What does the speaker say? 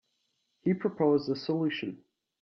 He proposed a solution.